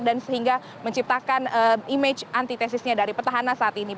dan sehingga menciptakan image antitesisnya dari petahana saat ini